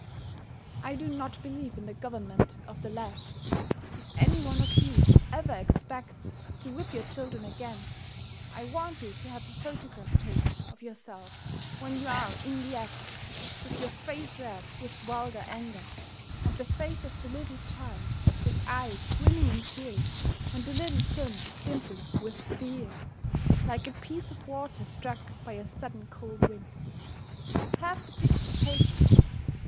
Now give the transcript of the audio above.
I do not believe in the government of the lash, if any one of you ever expects to whip your children again, I want you to have a photograph taken of yourself when you are in the act, with your face red with vulgar anger, and the face of the little child, with eyes swimming in tears and the little chin dimpled with fear, like a piece of water struck by a sudden cold wind. Have the picture taken.